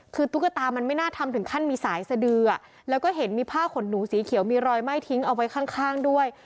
คือตุ๊กตามันไม่น่าทำถึงขั้นมีสายสดือแล้วก็เห็นมีผ้าขนหนูสีเขียวมีรอยไหม้ทิ้งเอาไว้ข้างด้วย